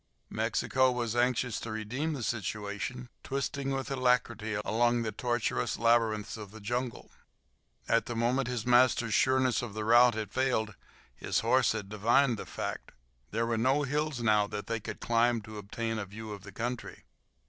Mexico was anxious to redeem the situation, twisting with alacrity along the tortuous labyrinths of the jungle. At the moment his master's sureness of the route had failed his horse had divined the fact. There were no hills now that they could climb to obtain a view of the country.